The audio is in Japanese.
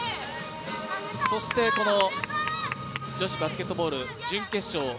そして女子バスケットボール準決勝